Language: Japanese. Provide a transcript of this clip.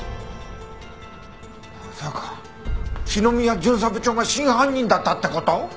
まさか篠宮巡査部長が真犯人だったって事！？